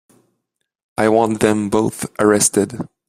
I want them both arrested.